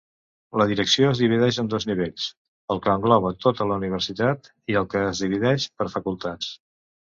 La direcció es divideix en dos nivells: el que engloba tota la universitat i el que es divideix per facultats.